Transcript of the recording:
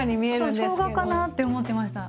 そうしょうがかなって思ってました。